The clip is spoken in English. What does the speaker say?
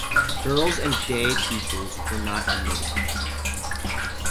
Girls and day pupils were not admitted.